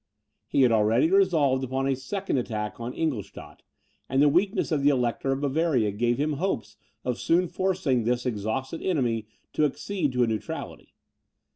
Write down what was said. He had already resolved upon a second attack on Ingoldstadt; and the weakness of the Elector of Bavaria gave him hopes of soon forcing this exhausted enemy to accede to a neutrality.